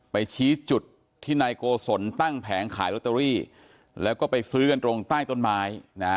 ชี้จุดที่นายโกศลตั้งแผงขายลอตเตอรี่แล้วก็ไปซื้อกันตรงใต้ต้นไม้